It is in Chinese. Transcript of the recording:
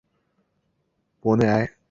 博内埃。